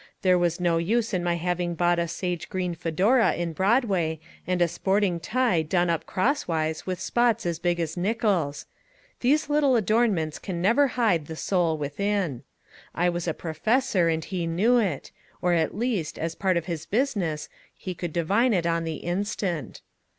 There was no use in my having bought a sage green fedora in Broadway, and a sporting tie done up crosswise with spots as big as nickels. These little adornments can never hide the soul within. I was a professor, and he knew it, or at least, as part of his business, he could divine it on the instant.